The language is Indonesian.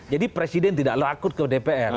jadi presiden tidak lakut ke dpr